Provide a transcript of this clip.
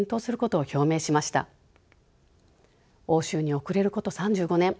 欧州に遅れること３５年